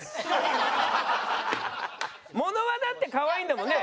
物はだってかわいいんだもんね。